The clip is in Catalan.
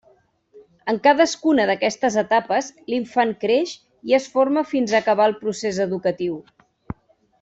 En cadascuna d'aquestes etapes, l'infant creix i es forma fins a acabar el procés educatiu.